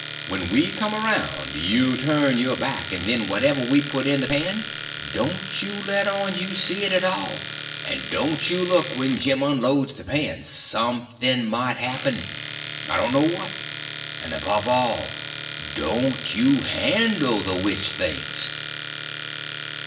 When we come around, you turn your back; and then whatever we've put in the pan, don't you let on you see it at all. And don't you look when Jim unloads the pan—something might happen, I don't know what. And above all, don't you handle the witch things."